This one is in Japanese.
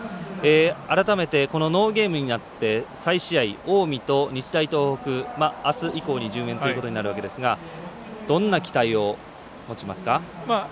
改めて、このノーゲームになって再試合、近江と日大東北あす以降に順延ということになるわけですがどんな期待を持ちますか？